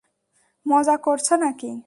মজা করছো নাকি।